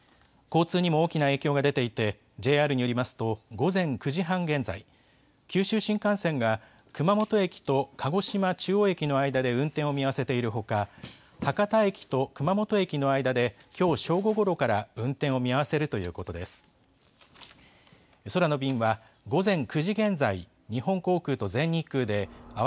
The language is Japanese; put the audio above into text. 交通にも大きな影響が出ていて、ＪＲによりますと、午前９時半現在、九州新幹線が、熊本駅と鹿児島中央駅の間で運転を見合わせているほか、博多駅と熊本駅の間できょう正午ごろから、運転を見合わせるということです。